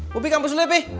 bubi kampus dulu ya peh